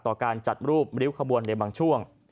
การจัดรูปริ้วขบวนในบางช่วง